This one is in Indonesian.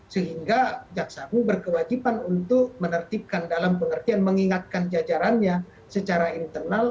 sehingga jaksa agung berkewajiban untuk menertibkan dalam pengertian mengingatkan jajarannya secara internal